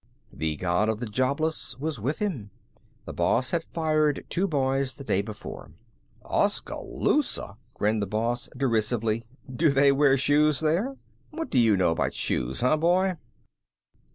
The God of the Jobless was with him. The boss had fired two boys the day before. "Oskaloosa!" grinned the boss, derisively. "Do they wear shoes there? What do you know about shoes, huh boy?"